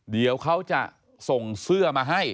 เดี๋ยวเขาจะส่งเสื้อมาให้